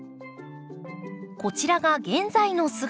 こちらが現在の姿。